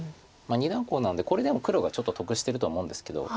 二段コウなのでこれでも黒がちょっと得してるとは思うんですけど。